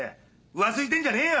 浮ついてんじゃねえよ！